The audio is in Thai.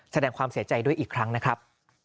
แสดงความเสียใจด้วยอีกครั้งนะครับ